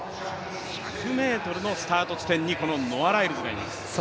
１００ｍのスタート地点にこのノア・ライルズがいます。